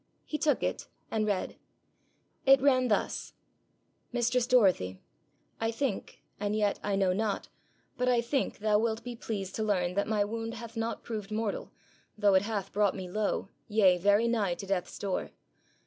He took it, and read. It ran thus 'Mistress Dorothy, I think, and yet I know not, but I think thou wilt be pleased to learn that my Wound hath not proved mortal, though it hath brought me low, yea, very nigh to Death's Door.